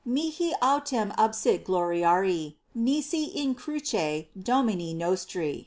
Mihi autem absit gloriari nisi in Cruce Domini nostri.